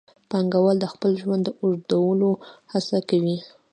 پانګوال د خپل ژوند د اوږدولو هڅه کوي